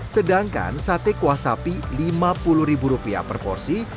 sedangkan sate kuah sapi lima puluh per porsi